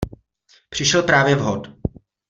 Přišel právě vhod.